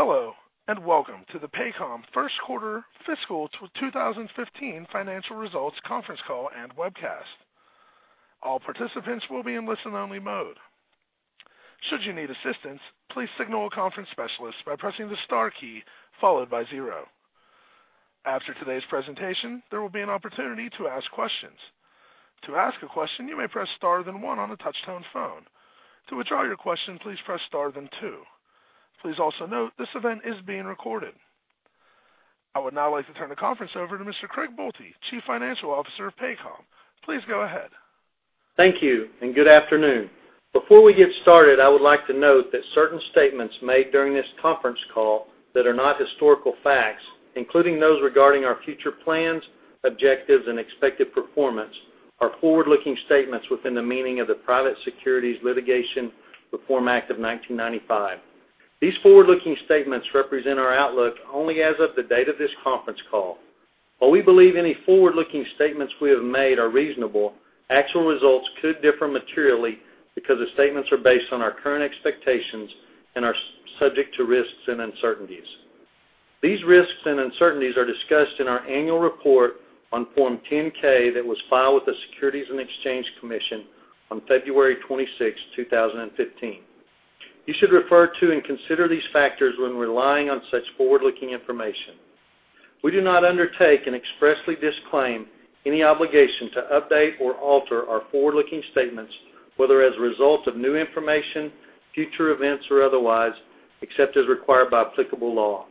Hello, and welcome to the Paycom first quarter fiscal 2015 financial results conference call and webcast. All participants will be in listen-only mode. Should you need assistance, please signal a conference specialist by pressing the star key followed by 0. After today's presentation, there will be an opportunity to ask questions. To ask a question, you may press star, then 1 on a touch-tone phone. To withdraw your question, please press star, then 2. Please also note this event is being recorded. I would now like to turn the conference over to Mr. Craig Boelte, Chief Financial Officer of Paycom. Please go ahead. Thank you. Good afternoon. Before we get started, I would like to note that certain statements made during this conference call that are not historical facts, including those regarding our future plans, objectives, and expected performance, are forward-looking statements within the meaning of the Private Securities Litigation Reform Act of 1995. These forward-looking statements represent our outlook only as of the date of this conference call. While we believe any forward-looking statements we have made are reasonable, actual results could differ materially because the statements are based on our current expectations and are subject to risks and uncertainties. These risks and uncertainties are discussed in our annual report on Form 10-K that was filed with the Securities and Exchange Commission on February 26, 2015. You should refer to and consider these factors when relying on such forward-looking information. We do not undertake and expressly disclaim any obligation to update or alter our forward-looking statements, whether as a result of new information, future events, or otherwise, except as required by applicable law.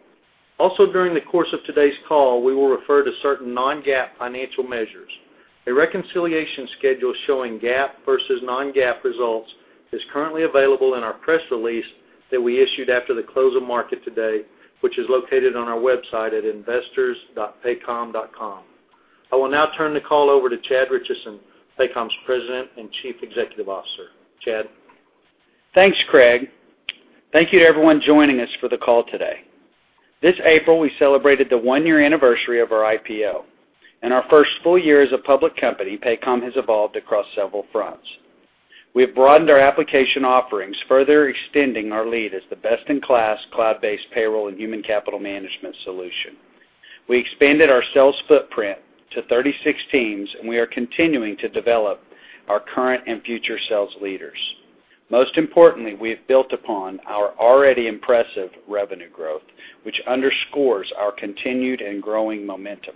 Also, during the course of today's call, we will refer to certain non-GAAP financial measures. A reconciliation schedule showing GAAP versus non-GAAP results is currently available in our press release that we issued after the close of market today, which is located on our website at investors.paycom.com. I will now turn the call over to Chad Richison, Paycom's President and Chief Executive Officer. Chad? Thanks, Craig. Thank you to everyone joining us for the call today. This April, we celebrated the one-year anniversary of our IPO. In our first full year as a public company, Paycom has evolved across several fronts. We have broadened our application offerings, further extending our lead as the best-in-class cloud-based payroll and human capital management solution. We expanded our sales footprint to 36 teams. We are continuing to develop our current and future sales leaders. Most importantly, we have built upon our already impressive revenue growth, which underscores our continued and growing momentum.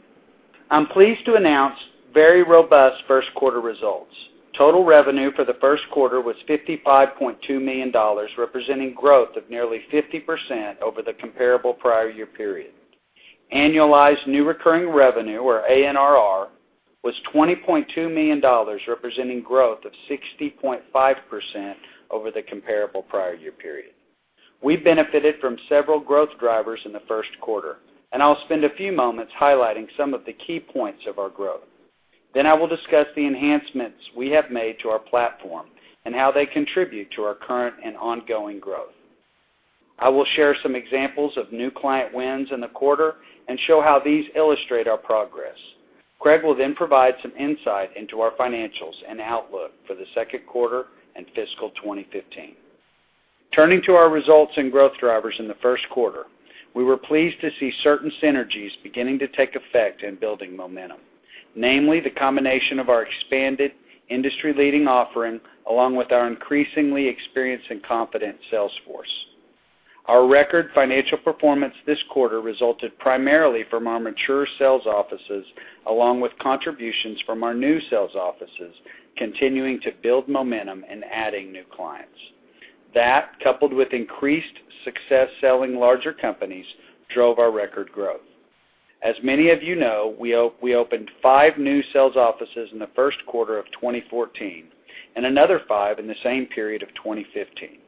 I'm pleased to announce very robust first quarter results. Total revenue for the first quarter was $55.2 million, representing growth of nearly 50% over the comparable prior year period. Annualized new recurring revenue, or ANRR, was $20.2 million, representing growth of 60.5% over the comparable prior year period. We benefited from several growth drivers in the first quarter. I'll spend a few moments highlighting some of the key points of our growth. I will discuss the enhancements we have made to our platform and how they contribute to our current and ongoing growth. I will share some examples of new client wins in the quarter and show how these illustrate our progress. Craig will provide some insight into our financials and outlook for the second quarter and fiscal 2015. Turning to our results and growth drivers in the first quarter, we were pleased to see certain synergies beginning to take effect in building momentum, namely the combination of our expanded industry-leading offering, along with our increasingly experienced and confident sales force. Our record financial performance this quarter resulted primarily from our mature sales offices, along with contributions from our new sales offices continuing to build momentum and adding new clients. That, coupled with increased success selling larger companies, drove our record growth. As many of you know, we opened five new sales offices in the first quarter of 2014 and another five in the same period of 2015.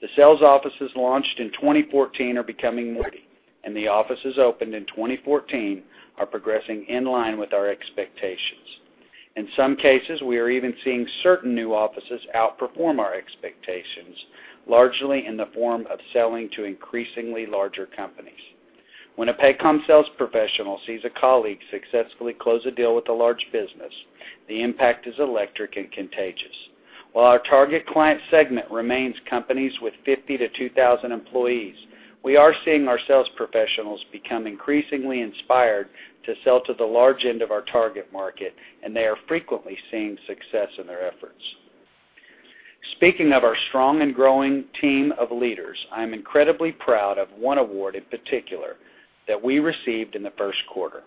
The offices opened in 2014 are progressing in line with our expectations. In some cases, we are even seeing certain new offices outperform our expectations, largely in the form of selling to increasingly larger companies. When a Paycom sales professional sees a colleague successfully close a deal with a large business, the impact is electric and contagious. While our target client segment remains companies with 50 to 2,000 employees, we are seeing our sales professionals become increasingly inspired to sell to the large end of our target market. They are frequently seeing success in their efforts. Speaking of our strong and growing team of leaders, I am incredibly proud of one award in particular that we received in the first quarter.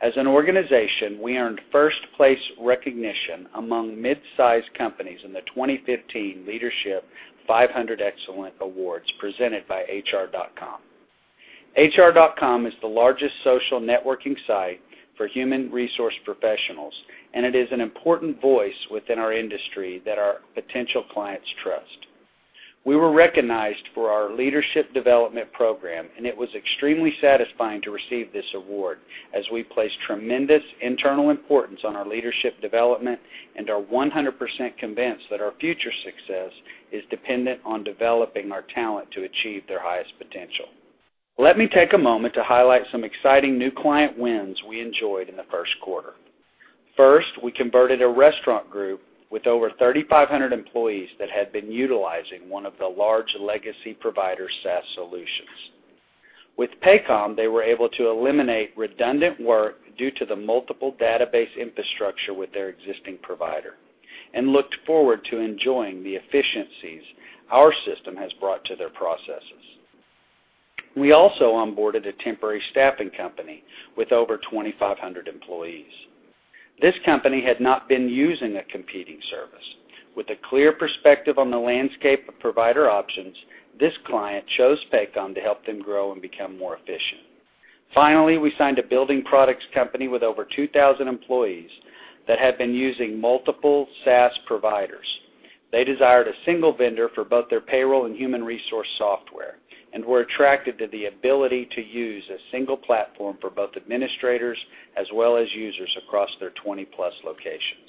As an organization, we earned first-place recognition among midsize companies in the 2015 Leadership 500 Excellence Awards presented by HR.com. HR.com is the largest social networking site for human resource professionals. It is an important voice within our industry that our potential clients trust. We were recognized for our leadership development program. It was extremely satisfying to receive this award as we place tremendous internal importance on our leadership development and are 100% convinced that our future success is dependent on developing our talent to achieve their highest potential. Let me take a moment to highlight some exciting new client wins we enjoyed in the first quarter. First, we converted a restaurant group with over 3,500 employees that had been utilizing one of the large legacy provider SaaS solutions. With Paycom, they were able to eliminate redundant work due to the multiple database infrastructure with their existing provider and looked forward to enjoying the efficiencies our system has brought to their processes. We also onboarded a temporary staffing company with over 2,500 employees. This company had not been using a competing service. With a clear perspective on the landscape of provider options, this client chose Paycom to help them grow and become more efficient. Finally, we signed a building products company with over 2,000 employees that had been using multiple SaaS providers. They desired a single vendor for both their payroll and human resource software and were attracted to the ability to use a single platform for both administrators as well as users across their 20-plus locations.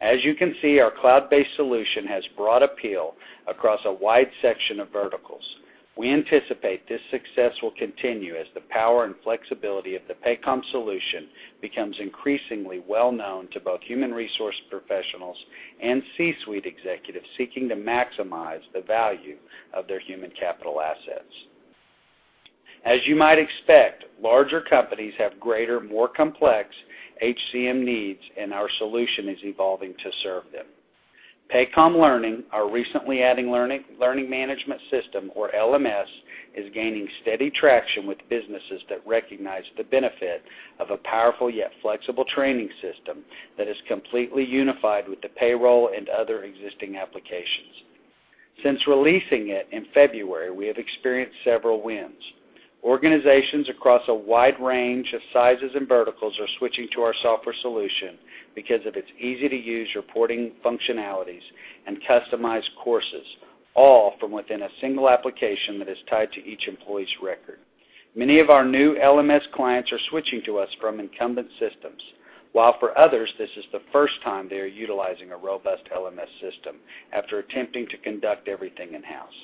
As you can see, our cloud-based solution has broad appeal across a wide section of verticals. We anticipate this success will continue as the power and flexibility of the Paycom solution becomes increasingly well-known to both human resource professionals and C-suite executives seeking to maximize the value of their human capital assets. As you might expect, larger companies have greater, more complex HCM needs, and our solution is evolving to serve them. Paycom Learning, our recently adding learning management system, or LMS, is gaining steady traction with businesses that recognize the benefit of a powerful, yet flexible training system that is completely unified with the payroll and other existing applications. Since releasing it in February, we have experienced several wins. Organizations across a wide range of sizes and verticals are switching to our software solution because of its easy-to-use reporting functionalities and customized courses, all from within a single application that is tied to each employee's record. Many of our new LMS clients are switching to us from incumbent systems, while for others, this is the first time they are utilizing a robust LMS system after attempting to conduct everything in-house.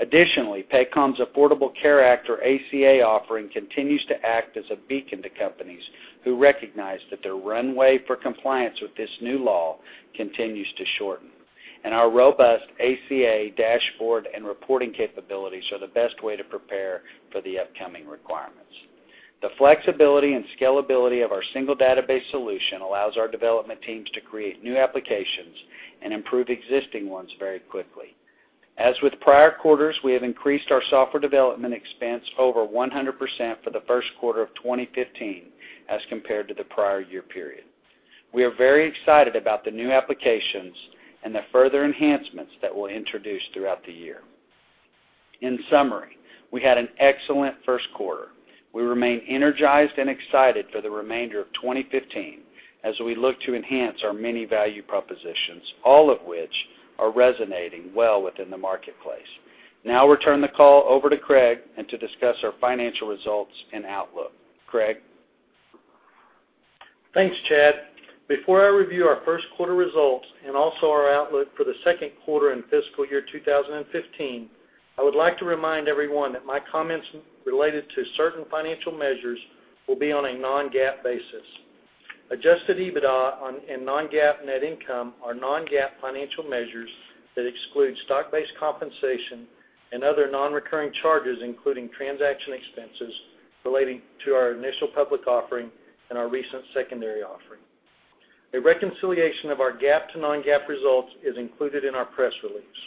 Additionally, Paycom's Affordable Care Act, or ACA, offering continues to act as a beacon to companies who recognize that their runway for compliance with this new law continues to shorten, and our robust ACA dashboard and reporting capabilities are the best way to prepare for the upcoming requirements. The flexibility and scalability of our single database solution allows our development teams to create new applications and improve existing ones very quickly. As with prior quarters, we have increased our software development expense over 100% for the first quarter of 2015 as compared to the prior year period. We are very excited about the new applications and the further enhancements that we'll introduce throughout the year. In summary, we had an excellent first quarter. We remain energized and excited for the remainder of 2015 as we look to enhance our many value propositions, all of which are resonating well within the marketplace. Now I'll return the call over to Craig and to discuss our financial results and outlook. Craig? Thanks, Chad. Before I review our first quarter results and also our outlook for the second quarter and fiscal year 2015, I would like to remind everyone that my comments related to certain financial measures will be on a non-GAAP basis. Adjusted EBITDA and non-GAAP net income are non-GAAP financial measures that exclude stock-based compensation and other non-recurring charges, including transaction expenses relating to our initial public offering and our recent secondary offering. A reconciliation of our GAAP to non-GAAP results is included in our press release.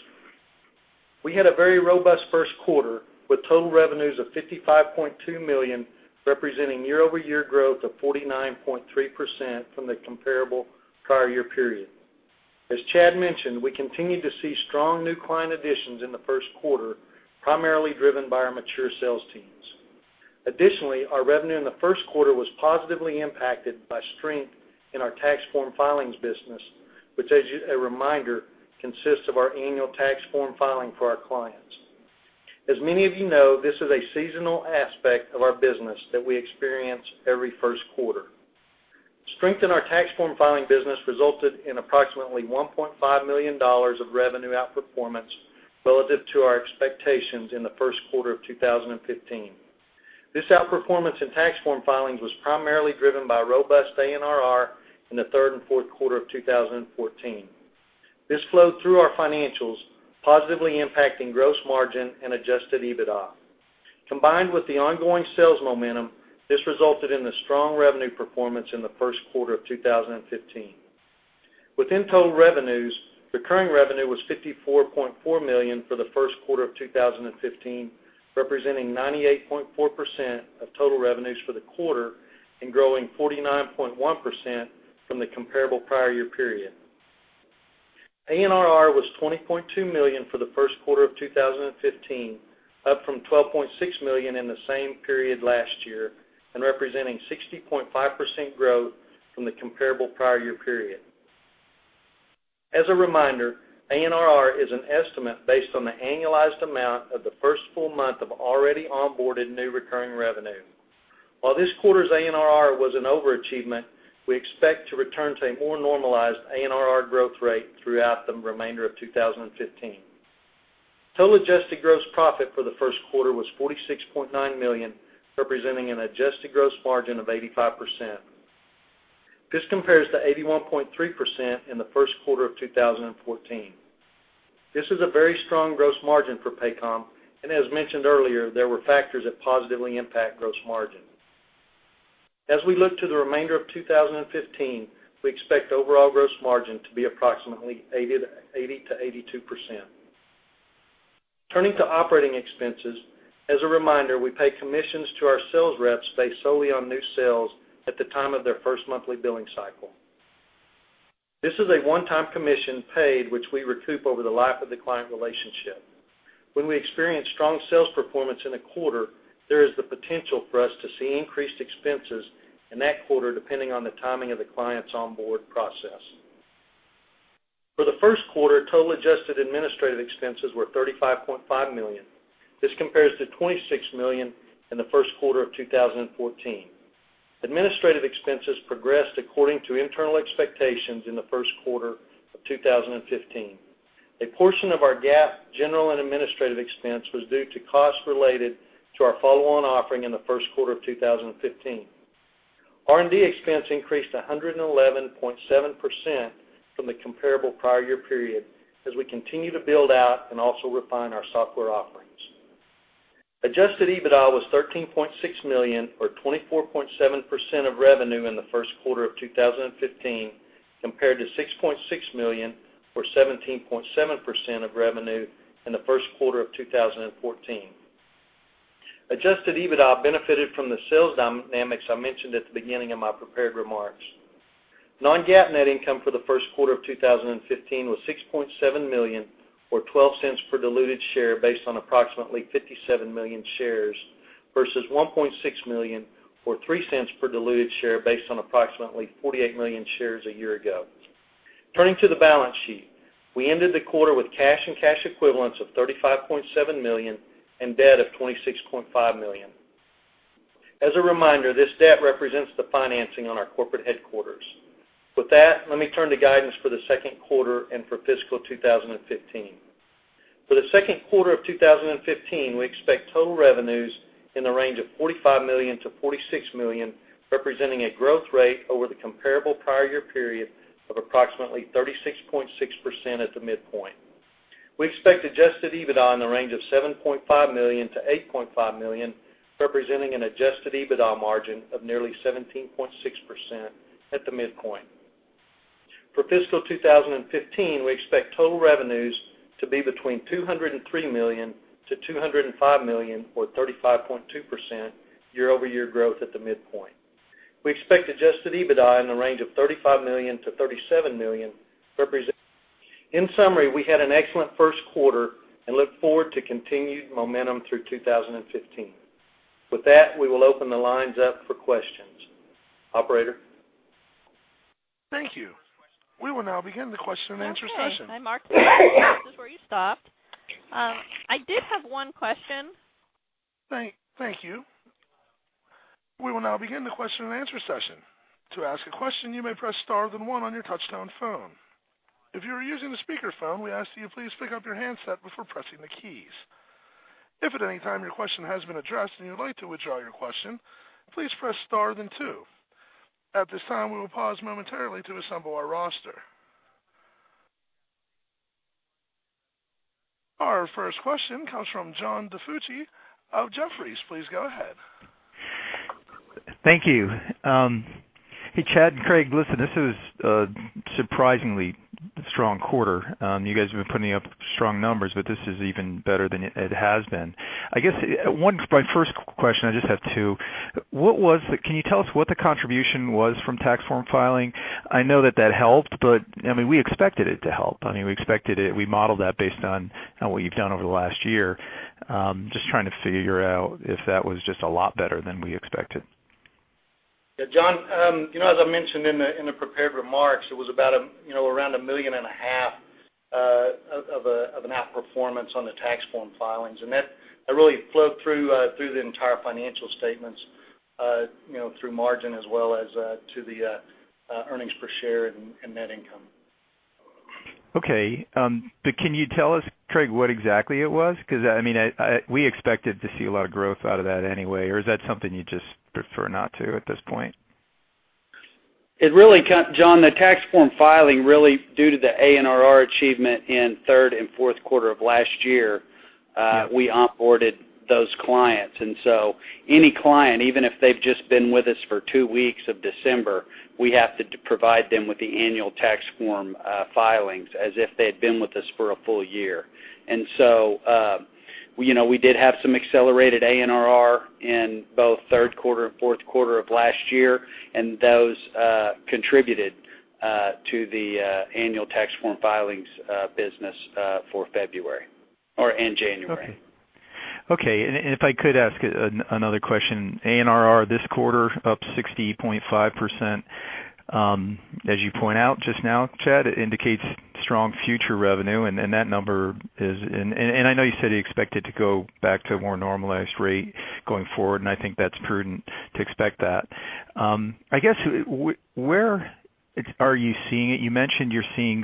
We had a very robust first quarter with total revenues of $55.2 million, representing year-over-year growth of 49.3% from the comparable prior year period. As Chad mentioned, we continued to see strong new client additions in the first quarter, primarily driven by our mature sales teams. Our revenue in the first quarter was positively impacted by strength in our tax form filings business, which, as a reminder, consists of our annual tax form filing for our clients. As many of you know, this is a seasonal aspect of our business that we experience every first quarter. Strength in our tax form filing business resulted in approximately $1.5 million of revenue outperformance relative to our expectations in the first quarter of 2015. This outperformance in tax form filings was primarily driven by robust ANRR in the third and fourth quarter of 2014. This flowed through our financials, positively impacting gross margin and adjusted EBITDA. Combined with the ongoing sales momentum, this resulted in the strong revenue performance in the first quarter of 2015. Within total revenues, recurring revenue was $54.4 million for the first quarter of 2015, representing 98.4% of total revenues for the quarter and growing 49.1% from the comparable prior year period. ANRR was $20.2 million for the first quarter of 2015, up from $12.6 million in the same period last year and representing 60.5% growth from the comparable prior year period. As a reminder, ANRR is an estimate based on the annualized amount of the first full month of already onboarded new recurring revenue. While this quarter's ANRR was an overachievement, we expect to return to a more normalized ANRR growth rate throughout the remainder of 2015. Total adjusted gross profit for the first quarter was $46.9 million, representing an adjusted gross margin of 85%. This compares to 81.3% in the first quarter of 2014. This is a very strong gross margin for Paycom. As mentioned earlier, there were factors that positively impact gross margin. As we look to the remainder of 2015, we expect overall gross margin to be approximately 80%-82%. Turning to operating expenses, as a reminder, we pay commissions to our sales reps based solely on new sales at the time of their first monthly billing cycle. This is a one-time commission paid, which we recoup over the life of the client relationship. When we experience strong sales performance in a quarter, there is the potential for us to see increased expenses in that quarter, depending on the timing of the client's onboard process. For the first quarter, total adjusted administrative expenses were $35.5 million. This compares to $26 million in the first quarter of 2014. Administrative expenses progressed according to internal expectations in the first quarter of 2015. A portion of our GAAP general and administrative expense was due to costs related to our follow-on offering in the first quarter of 2015. R&D expense increased 111.7% from the comparable prior year period as we continue to build out and also refine our software offerings. Adjusted EBITDA was $13.6 million or 24.7% of revenue in the first quarter of 2015, compared to $6.6 million or 17.7% of revenue in the first quarter of 2014. Adjusted EBITDA benefited from the sales dynamics I mentioned at the beginning of my prepared remarks. Non-GAAP net income for the first quarter of 2015 was $6.7 million, or $0.12 per diluted share based on approximately 57 million shares, versus $1.6 million, or $0.03 per diluted share based on approximately 48 million shares a year ago. Turning to the balance sheet, we ended the quarter with cash and cash equivalents of $35.7 million and debt of $26.5 million. As a reminder, this debt represents the financing on our corporate headquarters. With that, let me turn to guidance for the second quarter and for fiscal 2015. For the second quarter of 2015, we expect total revenues in the range of $45 million to $46 million, representing a growth rate over the comparable prior year period of approximately 36.6% at the midpoint. We expect adjusted EBITDA in the range of $7.5 million to $8.5 million, representing an adjusted EBITDA margin of nearly 17.6% at the midpoint. For fiscal 2015, we expect total revenues to be between $203 million to $205 million, or 35.2% year-over-year growth at the midpoint. We expect adjusted EBITDA in the range of $35 million to $37 million. In summary, we had an excellent first quarter and look forward to continued momentum through 2015. With that, we will open the lines up for questions. Operator? Thank you. We will now begin the question and answer session. Okay. Hi, Mark. This is where you stopped. I did have one question. Thank you. We will now begin the question and answer session. To ask a question, you may press star then one on your touch-tone phone. If you are using the speakerphone, we ask that you please pick up your handset before pressing the keys. If at any time your question has been addressed and you'd like to withdraw your question, please press star then two. At this time, we will pause momentarily to assemble our roster. Our first question comes from John DiFucci of Jefferies. Please go ahead. Thank you. Hey, Chad and Craig. Listen, this is a surprisingly strong quarter. You guys have been putting up strong numbers, but this is even better than it has been. My first question, I just have two, can you tell us what the contribution was from tax form filing? I know that that helped, but we expected it to help. We modeled that based on what you've done over the last year. Just trying to figure out if that was just a lot better than we expected. Yeah, John, as I mentioned in the prepared remarks, it was around a million and a half of an outperformance on the tax form filings. That really flowed through the entire financial statements, through margin as well as to the earnings per share and net income. Okay. Can you tell us, Craig, what exactly it was? Because we expected to see a lot of growth out of that anyway. Is that something you just prefer not to at this point? John, the tax form filing, really due to the ANRR achievement in third and fourth quarter of last year, we onboarded those clients. Any client, even if they've just been with us for two weeks of December, we have to provide them with the annual tax form filings as if they had been with us for a full year. We did have some accelerated ANRR in both third quarter and fourth quarter of last year, and those contributed to the annual tax form filings business for February and January. Okay. If I could ask another question. ANRR this quarter up 60.5%. As you point out just now, Chad, it indicates strong future revenue, and I know you said you expect it to go back to a more normalized rate going forward, and I think that's prudent to expect that. Are you seeing it? You mentioned you're seeing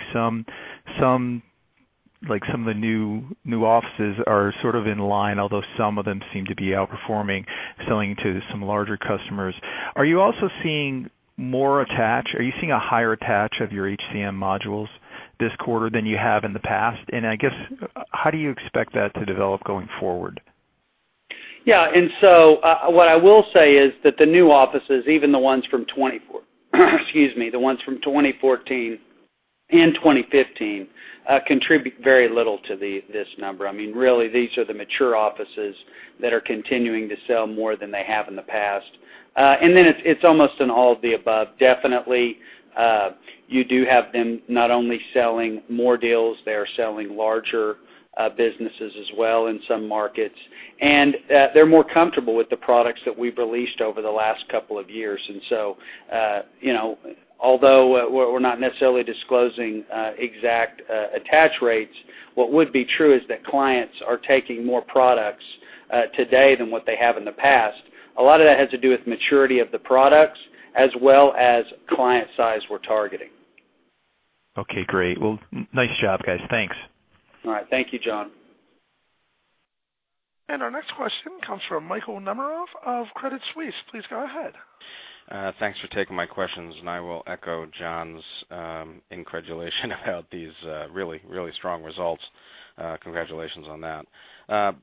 some of the new offices are sort of in line, although some of them seem to be outperforming, selling to some larger customers. Are you also seeing more attach? Are you seeing a higher attach of your HCM modules this quarter than you have in the past? I guess, how do you expect that to develop going forward? Yeah. What I will say is that the new offices, even the ones from 2014 and 2015, contribute very little to this number. Really, these are the mature offices that are continuing to sell more than they have in the past. Then it's almost an all of the above. Definitely, you do have them not only selling more deals, they are selling larger businesses as well in some markets. They're more comfortable with the products that we've released over the last couple of years. Although we're not necessarily disclosing exact attach rates, what would be true is that clients are taking more products today than what they have in the past. A lot of that has to do with maturity of the products as well as client size we're targeting. Okay, great. Well, nice job, guys. Thanks. All right. Thank you, John. Our next question comes from Michael Nemeroff of Credit Suisse. Please go ahead. Thanks for taking my questions, and I will echo John's incredulation about these really strong results. Congratulations on that.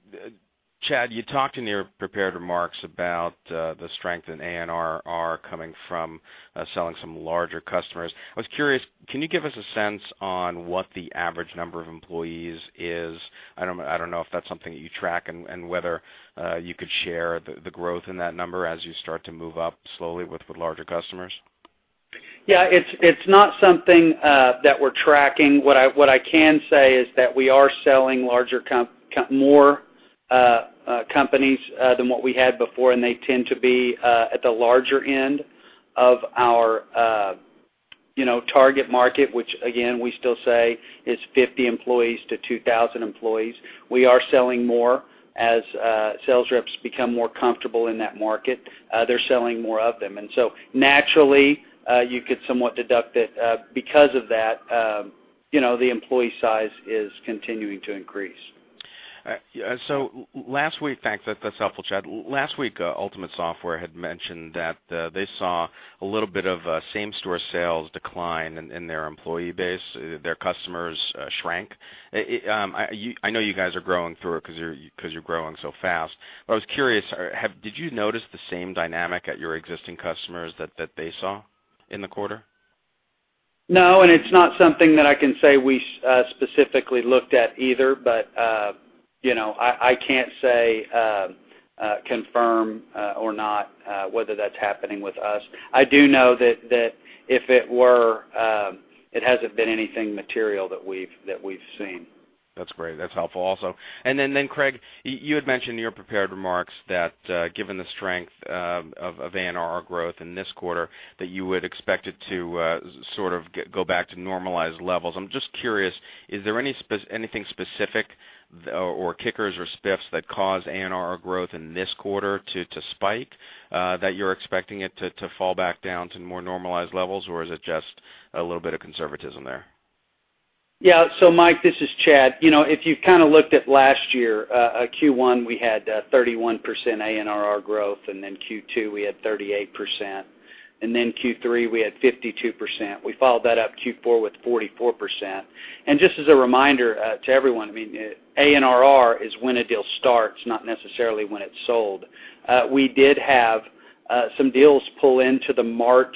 Chad, you talked in your prepared remarks about the strength in ANR coming from selling some larger customers. I was curious, can you give us a sense on what the average number of employees is? I don't know if that's something that you track and whether you could share the growth in that number as you start to move up slowly with the larger customers. Yeah. It's not something that we're tracking. What I can say is that we are selling more companies than what we had before, and they tend to be at the larger end of our target market, which again, we still say is 50 employees to 2,000 employees. We are selling more as sales reps become more comfortable in that market. They're selling more of them. Naturally, you could somewhat deduct that because of that, the employee size is continuing to increase. Thanks. That's helpful, Chad Richison. Last week, Ultimate Software had mentioned that they saw a little bit of same-store sales decline in their employee base. Their customers shrank. I know you guys are growing through it because you're growing so fast. I was curious, did you notice the same dynamic at your existing customers that they saw in the quarter? No, it's not something that I can say we specifically looked at either. I can't confirm or not whether that's happening with us. I do know that if it were, it hasn't been anything material that we've seen. That's great. That's helpful also. Craig Boelte, you had mentioned in your prepared remarks that given the strength of ANR growth in this quarter, that you would expect it to sort of go back to normalized levels. I'm just curious, is there anything specific or kickers or spiffs that cause ANR growth in this quarter to spike, that you're expecting it to fall back down to more normalized levels? Is it just a little bit of conservatism there? Yeah. Mike, this is Chad. If you kind of looked at last year, Q1, we had 31% ANR growth, and then Q2, we had 38%, and then Q3, we had 52%. We followed that up Q4 with 44%. Just as a reminder to everyone, ANR is when a deal starts, not necessarily when it's sold. We did have some deals pull into the March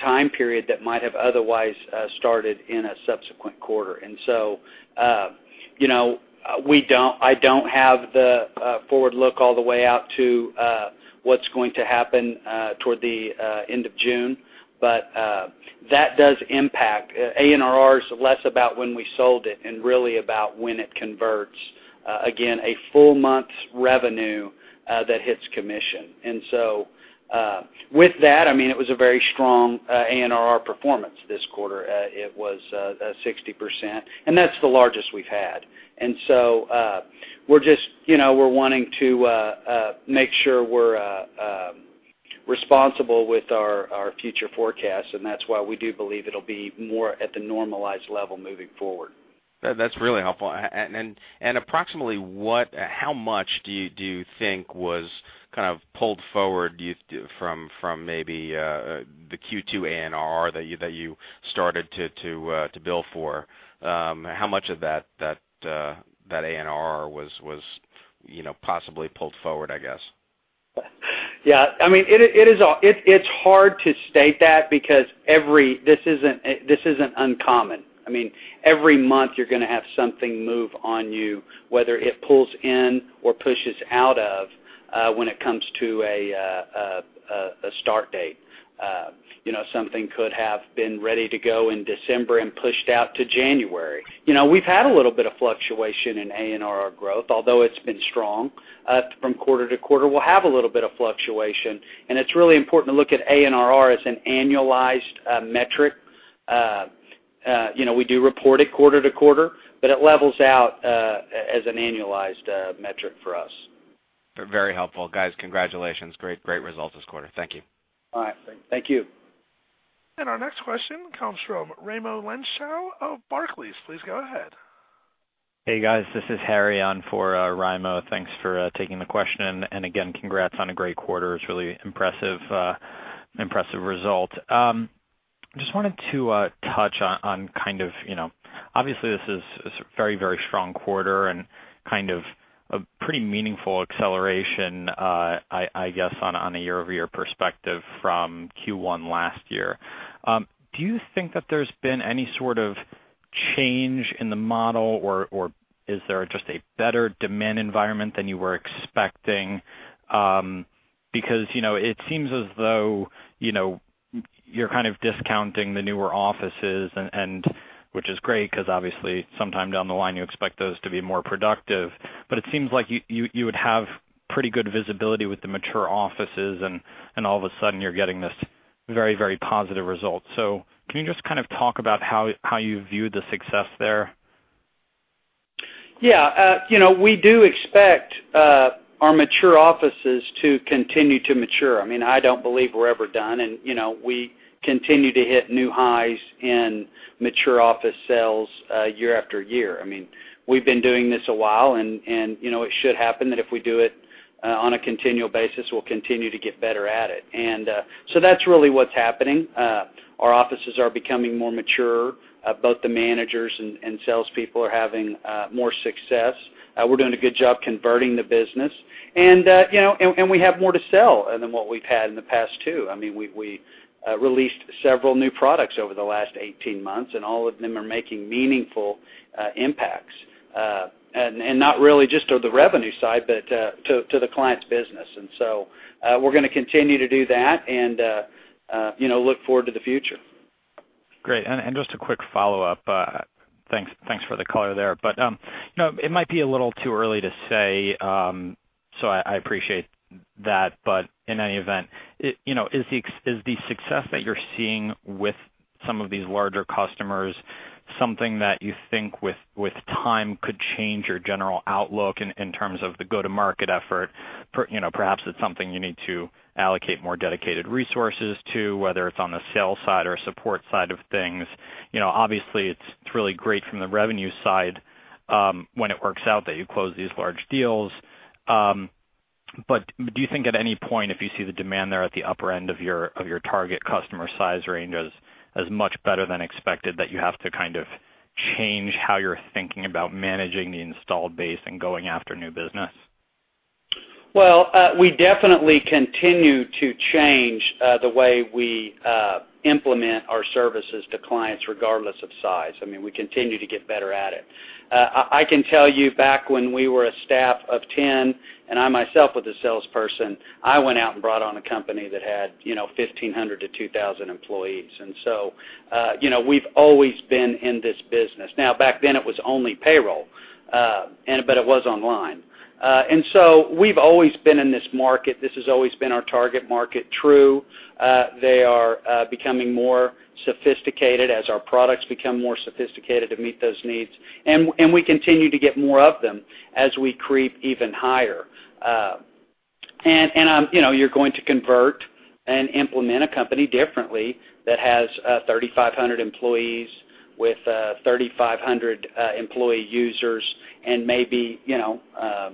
time period that might have otherwise started in a subsequent quarter. I don't have the forward look all the way out to what's going to happen toward the end of June. That does impact. ANR is less about when we sold it and really about when it converts, again, a full month's revenue that hits commission. With that, it was a very strong ANR performance this quarter. It was 60%, and that's the largest we've had. We're wanting to make sure we're responsible with our future forecasts, and that's why we do believe it'll be more at the normalized level moving forward. That's really helpful. Approximately, how much do you think was kind of pulled forward from maybe the Q2 ANR that you started to bill for? How much of that ANR was possibly pulled forward, I guess? Yeah. It's hard to state that because this isn't uncommon. Every month, you're going to have something move on you, whether it pulls in or pushes out of when it comes to a start date. Something could have been ready to go in December and pushed out to January. We've had a little bit of fluctuation in ANR growth, although it's been strong. From quarter to quarter, we'll have a little bit of fluctuation, and it's really important to look at ANR as an annualized metric. We do report it quarter to quarter, but it levels out as an annualized metric for us. Very helpful. Guys, congratulations. Great results this quarter. Thank you. All right. Thank you. Our next question comes from Raimo Lenschow of Barclays. Please go ahead. Hey, guys, this is Harry on for Raimo. Thanks for taking the question, and again, congrats on a great quarter. It's really impressive result. Just wanted to touch on, obviously this is a very strong quarter and a pretty meaningful acceleration, I guess, on a year-over-year perspective from Q1 last year. Do you think that there's been any sort of change in the model, or is there just a better demand environment than you were expecting? Because it seems as though you're discounting the newer offices, which is great, because obviously sometime down the line you expect those to be more productive. It seems like you would have pretty good visibility with the mature offices and all of a sudden you're getting this very positive result. Can you just talk about how you view the success there? We do expect our mature offices to continue to mature. I don't believe we're ever done, and we continue to hit new highs in mature office sales year after year. We've been doing this a while, and it should happen that if we do it on a continual basis, we'll continue to get better at it. So that's really what's happening. Our offices are becoming more mature. Both the managers and salespeople are having more success. We're doing a good job converting the business. We have more to sell than what we've had in the past, too. We released several new products over the last 18 months, and all of them are making meaningful impacts, and not really just to the revenue side, but to the client's business. So we're going to continue to do that and look forward to the future. Great, and just a quick follow-up. Thanks for the color there. But it might be a little too early to say, so I appreciate that, but in any event, is the success that you're seeing with some of these larger customers something that you think with time could change your general outlook in terms of the go-to-market effort? Perhaps it's something you need to allocate more dedicated resources to, whether it's on the sales side or support side of things. Obviously, it's really great from the revenue side when it works out that you close these large deals. But do you think at any point if you see the demand there at the upper end of your target customer size range as much better than expected, that you have to change how you're thinking about managing the installed base and going after new business? Well, we definitely continue to change the way we implement our services to clients, regardless of size. We continue to get better at it. I can tell you back when we were a staff of 10, and I myself was a salesperson, I went out and brought on a company that had 1,500 to 2,000 employees. So we've always been in this business. Now, back then it was only payroll, but it was online. So we've always been in this market. This has always been our target market. True, they are becoming more sophisticated as our products become more sophisticated to meet those needs, and we continue to get more of them as we creep even higher. You're going to convert and implement a company differently that has 3,500 employees with 3,500 employee users and maybe 400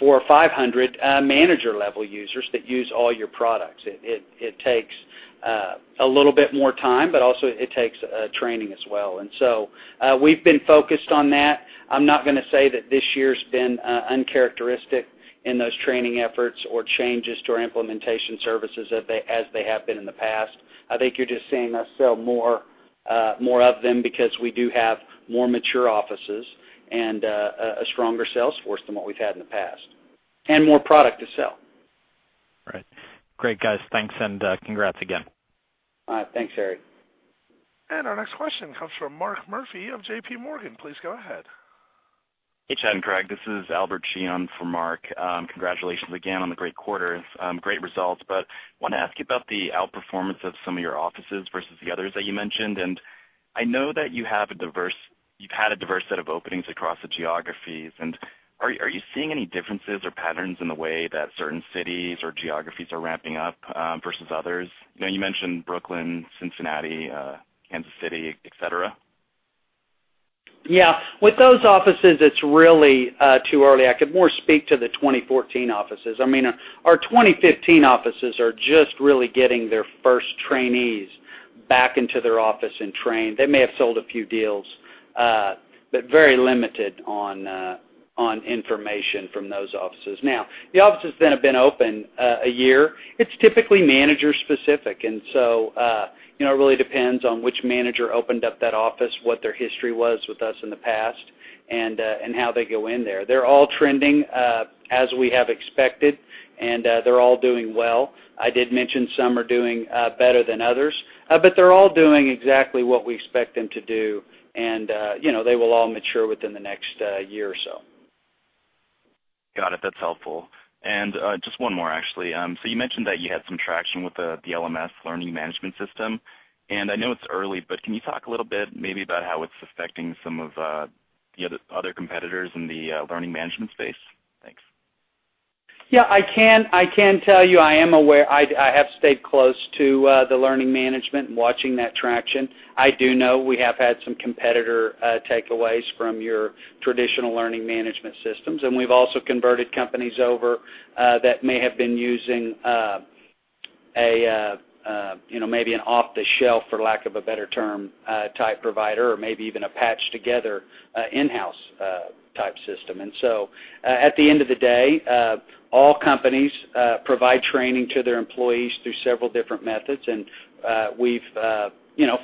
or 500 manager-level users that use all your products. It takes a little bit more time, but also it takes training as well. So we've been focused on that. I'm not going to say that this year's been uncharacteristic in those training efforts or changes to our implementation services as they have been in the past. I think you're just seeing us sell more of them because we do have more mature offices and a stronger sales force than what we've had in the past, and more product to sell. Right. Great, guys. Thanks, congrats again. All right. Thanks, Harry. Our next question comes from Mark Murphy of JPMorgan. Please go ahead. Hey, Chad and Craig, this is Albert Shih in for Mark. Congratulations again on the great quarter. Great results, want to ask you about the outperformance of some of your offices versus the others that you mentioned. I know that you've had a diverse set of openings across the geographies, and are you seeing any differences or patterns in the way that certain cities or geographies are ramping up, versus others? You mentioned Brooklyn, Cincinnati, Kansas City, et cetera. Yeah. With those offices, it's really too early. I could more speak to the 2014 offices. Our 2015 offices are just really getting their first trainees back into their office and trained. They may have sold a few deals, but very limited on information from those offices. Now, the offices that have been open a year, it's typically manager specific. It really depends on which manager opened up that office, what their history was with us in the past, and how they go in there. They're all trending as we have expected, and they're all doing well. I did mention some are doing better than others. They're all doing exactly what we expect them to do, and they will all mature within the next year or so. Got it. That's helpful. Just one more, actually. You mentioned that you had some traction with the LMS, learning management system, and I know it's early, but can you talk a little bit maybe about how it's affecting some of the other competitors in the learning management space? Thanks. Yeah, I can tell you, I have stayed close to the learning management and watching that traction. I do know we have had some competitor takeaways from your traditional learning management systems, and we've also converted companies over that may have been using maybe an off-the-shelf, for lack of a better term, type provider or maybe even a patched-together in-house type system. At the end of the day, all companies provide training to their employees through several different methods, and we've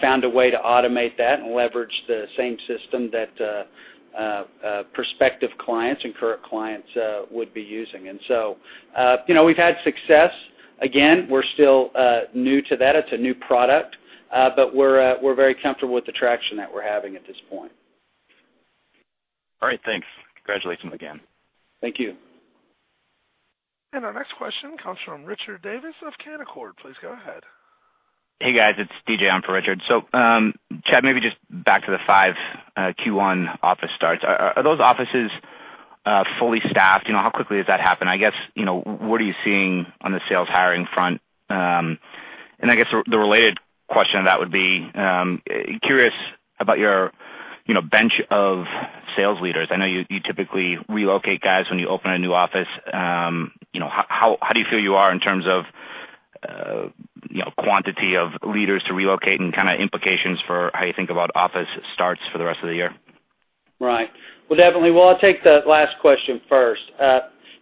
found a way to automate that and leverage the same system that prospective clients and current clients would be using. We've had success. Again, we're still new to that. It's a new product, but we're very comfortable with the traction that we're having at this point. All right. Thanks. Congratulations again. Thank you. Our next question comes from Richard Davis of Canaccord. Please go ahead. Hey, guys, it's DJ in for Richard. Chad, maybe just back to the five Q1 office starts. Are those offices fully staffed? How quickly does that happen? I guess, what are you seeing on the sales hiring front? I guess the related question to that would be, curious about your bench of sales leaders. I know you typically relocate guys when you open a new office. How do you feel you are in terms of quantity of leaders to relocate and kind of implications for how you think about office starts for the rest of the year? Right. Well, definitely. Well, I'll take the last question first.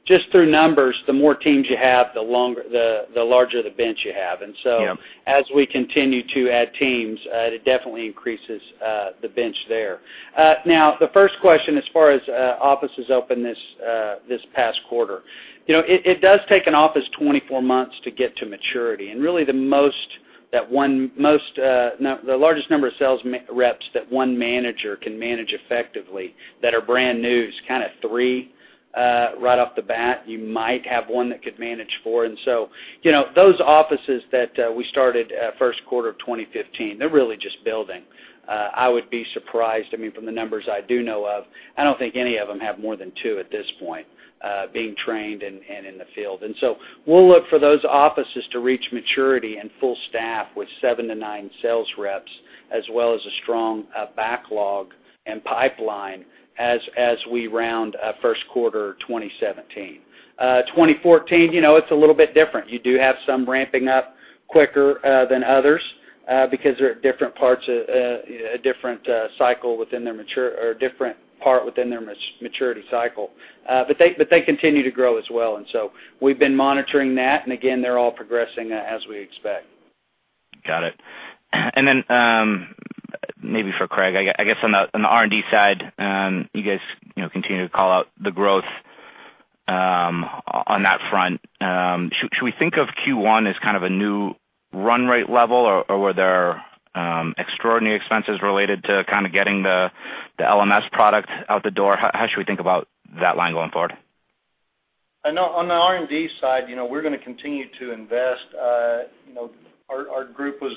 Just through numbers, the more teams you have, the larger the bench you have. Yeah. As we continue to add teams, it definitely increases the bench there. The first question, as far as offices opened this past quarter. It does take an office 24 months to get to maturity, and really the largest number of sales reps that one manager can manage effectively that are brand new is kind of three right off the bat. You might have one that could manage four. Those offices that we started first quarter of 2015, they're really just building. I would be surprised, from the numbers I do know of, I don't think any of them have more than two at this point being trained and in the field. We'll look for those offices to reach maturity and full staff with seven to nine sales reps, as well as a strong backlog and pipeline as we round first quarter 2017. 2014, it's a little bit different. You do have some ramping up quicker than others, because they're at a different part within their maturity cycle. They continue to grow as well, we've been monitoring that, and again, they're all progressing as we expect. Got it. Maybe for Craig, I guess on the R&D side, you guys continue to call out the growth on that front. Should we think of Q1 as kind of a new run rate level, or were there extraordinary expenses related to kind of getting the LMS product out the door? How should we think about that line going forward? On the R&D side, we're going to continue to invest. Our group was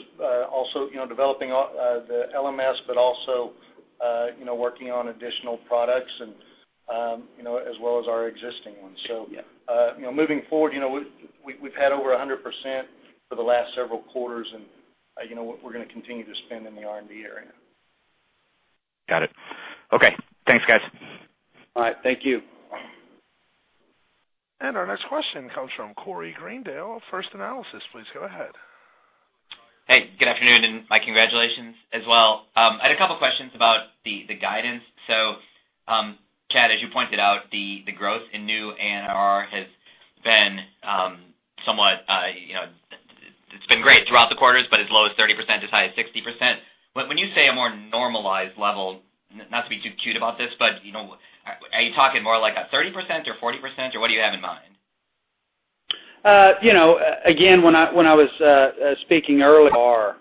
also developing the LMS, also working on additional products as well as our existing ones. Yeah. Moving forward, we've had over 100% for the last several quarters, and we're going to continue to spend in the R&D area. Got it. Okay. Thanks, guys. All right. Thank you. Our next question comes from Corey Greendale, First Analysis. Please go ahead. Good afternoon, and my congratulations as well. I had a couple questions about the guidance. Chad, as you pointed out, the growth in new ANR, it's been great throughout the quarters, but as low as 30% to as high as 60%. When you say a more normalized level, not to be too cute about this, but are you talking more like a 30% or 40%, or what do you have in mind? Again, when I was speaking earlier, ANR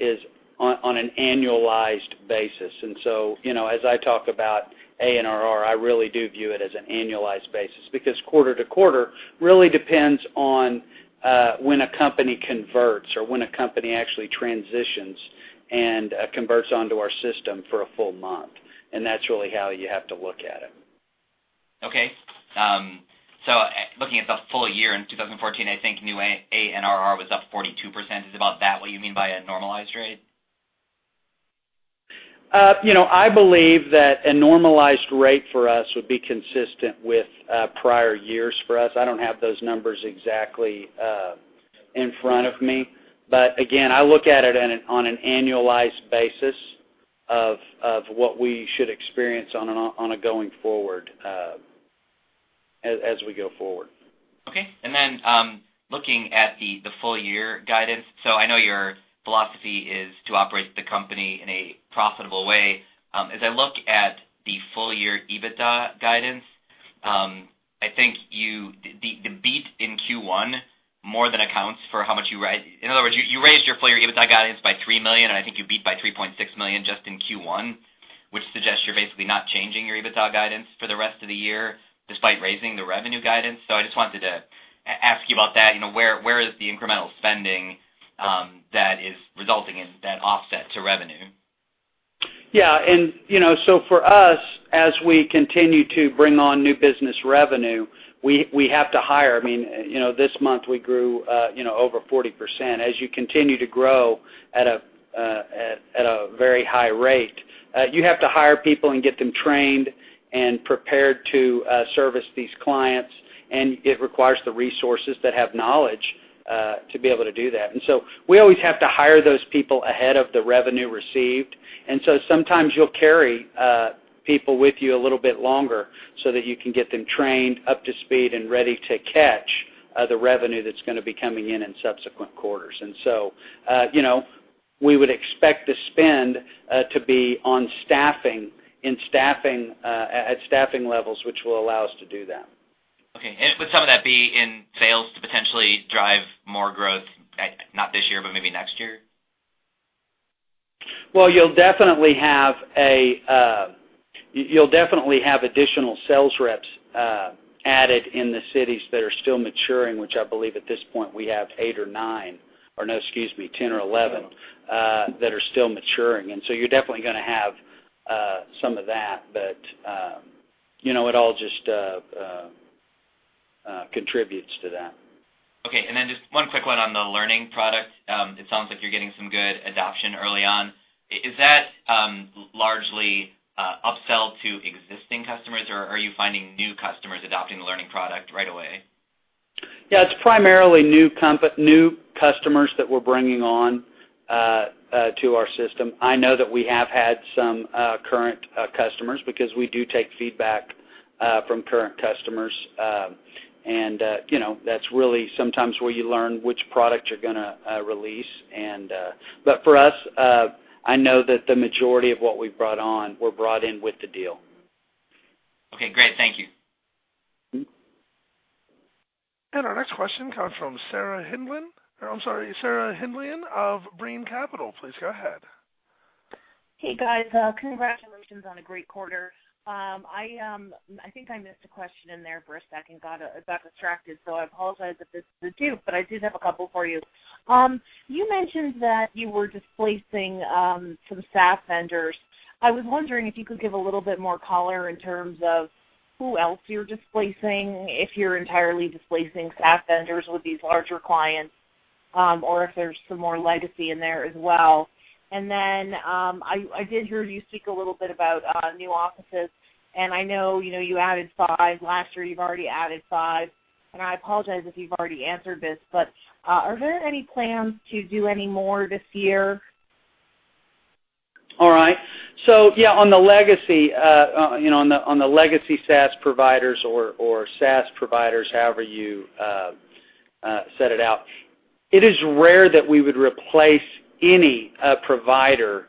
is on an annualized basis. As I talk about ANR, I really do view it as an annualized basis because quarter to quarter really depends on when a company converts or when a company actually transitions and converts onto our system for a full month, and that's really how you have to look at it. Okay. Looking at the full year in 2014, I think new ANR was up 42%. Is about that what you mean by a normalized rate? I believe that a normalized rate for us would be consistent with prior years for us. I don't have those numbers exactly in front of me, but again, I look at it on an annualized basis of what we should experience as we go forward. Okay. Looking at the full year guidance. I know your philosophy is to operate the company in a profitable way. As I look at the full year EBITDA guidance, I think the beat in Q1 more than accounts for how much you raised. In other words, you raised your full-year EBITDA guidance by $3 million, and I think you beat by $3.6 million just in Q1, which suggests you're basically not changing your EBITDA guidance for the rest of the year, despite raising the revenue guidance. I just wanted to ask you about that. Where is the incremental spending that is resulting in that offset to revenue? Yeah. For us, as we continue to bring on new business revenue, we have to hire. This month we grew over 40%. As you continue to grow at a very high rate, you have to hire people and get them trained and prepared to service these clients, and it requires the resources that have knowledge to be able to do that. We always have to hire those people ahead of the revenue received, and so sometimes you'll carry people with you a little bit longer so that you can get them trained, up to speed, and ready to catch the revenue that's going to be coming in in subsequent quarters. We would expect the spend to be on staffing, at staffing levels which will allow us to do that. Okay. Would some of that be in sales to potentially drive more growth, not this year, but maybe next year? Well, you'll definitely have additional sales reps added in the cities that are still maturing, which I believe at this point we have eight or nine, or no, excuse me, 10 or 11 Yeah that are still maturing. So you're definitely going to have some of that. It all just contributes to that. Okay. Then just one quick one on the learning product. It sounds like you're getting some good adoption early on. Is that largely upsell to existing customers, or are you finding new customers adopting the learning product right away? Yeah, it's primarily new customers that we're bringing on to our system. I know that we have had some current customers, because we do take feedback from current customers. That's really sometimes where you learn which product you're going to release. For us, I know that the majority of what we've brought on were brought in with the deal. Okay, great. Thank you. Our next question comes from Sarah Hindlian. Or I'm sorry, Sarah Hindlian of Brean Capital. Please go ahead. Hey, guys. Congratulations on a great quarter. I think I missed a question in there for a second, got distracted, so I apologize if this is a dupe, but I did have a couple for you. You mentioned that you were displacing some SaaS vendors. I was wondering if you could give a little bit more color in terms of who else you're displacing, if you're entirely displacing SaaS vendors with these larger clients, or if there's some more legacy in there as well. Then, I did hear you speak a little bit about new offices, and I know you added five last year, you've already added five, and I apologize if you've already answered this, but are there any plans to do any more this year? All right. Yeah, on the legacy SaaS providers or SaaS providers, however you set it out, it is rare that we would replace any provider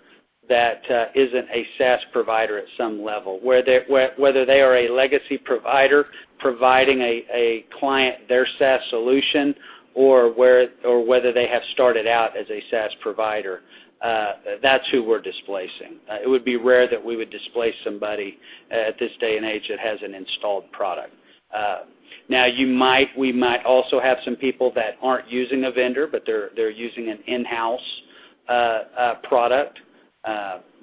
that isn't a SaaS provider at some level. Whether they are a legacy provider providing a client their SaaS solution, or whether they have started out as a SaaS provider, that's who we're displacing. It would be rare that we would displace somebody at this day and age that has an installed product. Now, we might also have some people that aren't using a vendor, but they're using an in-house product,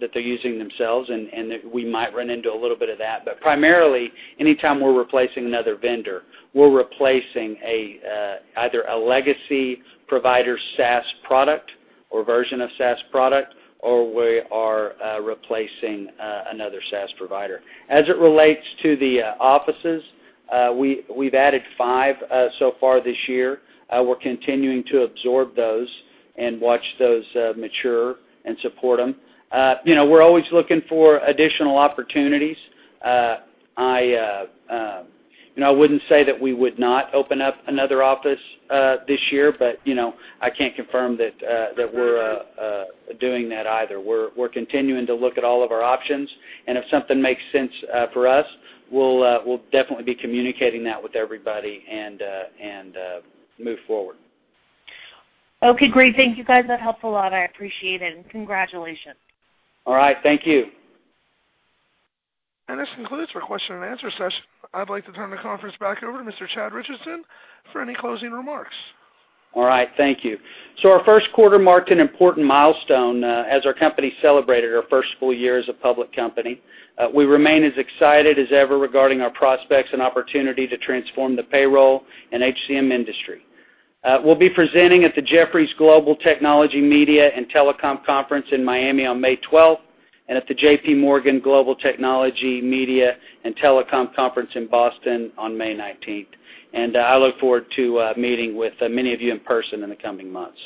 that they're using themselves, and we might run into a little bit of that. Primarily, anytime we're replacing another vendor, we're replacing either a legacy provider SaaS product or version of SaaS product, or we are replacing another SaaS provider. As it relates to the offices, we've added five so far this year. We're continuing to absorb those and watch those mature and support them. We're always looking for additional opportunities. I wouldn't say that we would not open up another office this year, but I can't confirm that we're doing that either. We're continuing to look at all of our options, if something makes sense for us, we'll definitely be communicating that with everybody and move forward. Okay, great. Thank you, guys. That helps a lot. I appreciate it, and congratulations. All right. Thank you. This concludes our question and answer session. I'd like to turn the conference back over to Mr. Chad Richison for any closing remarks. All right. Thank you. Our first quarter marked an important milestone as our company celebrated our first full year as a public company. We remain as excited as ever regarding our prospects and opportunity to transform the payroll and HCM industry. We'll be presenting at the Jefferies Global Technology, Media and Telecom Conference in Miami on May 12th and at the J.P. Morgan Global Technology, Media and Telecom Conference in Boston on May 19th. I look forward to meeting with many of you in person in the coming months.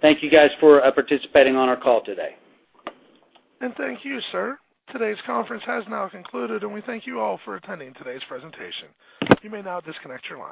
Thank you guys for participating on our call today. Thank you, sir. Today's conference has now concluded, and we thank you all for attending today's presentation. You may now disconnect your line.